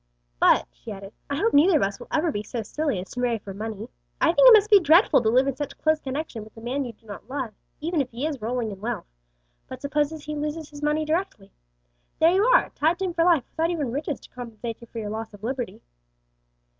"But," she added, "I hope neither of us will ever be so silly as to marry for money. I think it must be dreadful to live in such close connection with a man you do not love, even if he is rolling in wealth; but suppose he loses his money directly? There you are, tied to him for life without even riches to compensate you for your loss of liberty."